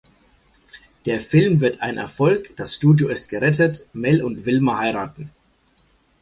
Der Film wird ein Erfolg, das Studio ist gerettet, Mel und Vilma heiraten.